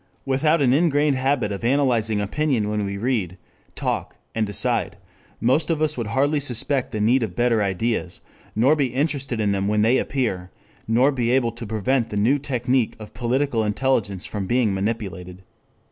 Without an ingrained habit of analyzing opinion when we read, talk, and decide, most of us would hardly suspect the need of better ideas, nor be interested in them when they appear, nor be able to prevent the new technic of political intelligence from being manipulated.